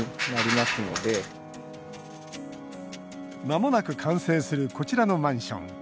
まもなく完成するこちらのマンション。